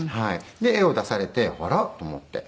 絵を出されてあら？と思って。